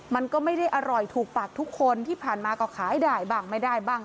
มันก็ไม่ได้อร่อยถูกปากทุกคนที่ผ่านมาก็ขายได้บ้างไม่ได้บ้าง